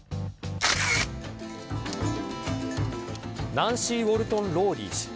ナンシー・ウォルトン・ローリー氏。